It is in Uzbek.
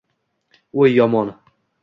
O’y yomon.